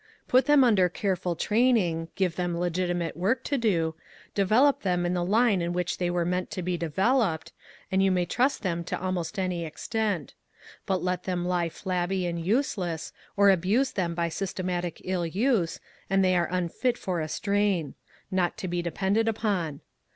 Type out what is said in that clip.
Put them under careful training; give them legitimate work 114 ONE COMMONPLACE DAY. to do ; develop them in the line in which they were meant to be developed, and you may trust them to almost any extent ; but let them lie flabby and useless, or abuse them by systematic ill use, and they are unfit for a strain ; not to be depended upon.